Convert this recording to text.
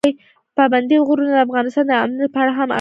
پابندی غرونه د افغانستان د امنیت په اړه هم اغېز لري.